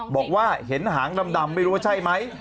บอกว่าเห็นหางดำไม่รู้ว่าใช่ไหม